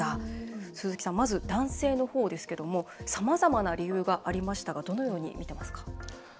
鈴木さん、まず男性の方ですがさまざまな理由がありましたがどのように見ますか？